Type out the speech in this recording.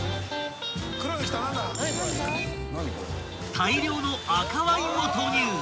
［大量の赤ワインを投入］